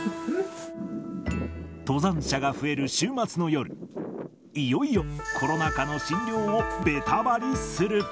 登山者が増える週末の夜、いよいよコロナ禍の診療をベタバリする。